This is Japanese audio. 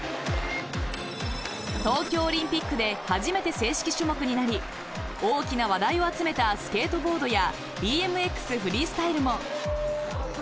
東京オリンピックで初めて正式種目になり大きな話題を集めたスケートボードやＢＭＸフリースタイルも。